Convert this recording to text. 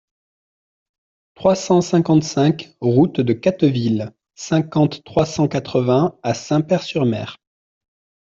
trois cent cinquante-cinq route de Catteville, cinquante, trois cent quatre-vingts à Saint-Pair-sur-Mer